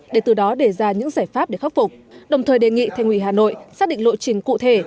để từ đó đề ra những giải pháp để khắc phục đồng thời đề nghị thành ủy hà nội xác định lộ trình cụ thể